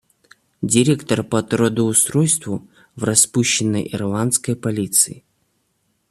Директор по трудоустройству в распущенной Ирландской полиции.